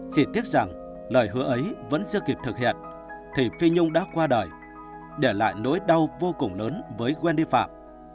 chỉ tiếc rằng lời hứa ấy vẫn chưa kịp thực hiện thì phi nhung đã qua đời để lại nỗi đau vô cùng lớn với quen đi phạm